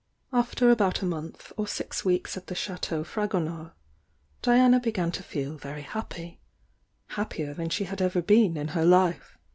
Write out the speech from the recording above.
After about a month or six weeks at the Chateau Fragonard, Diana began to feel very happy, — hap pier than she had ever been in her life.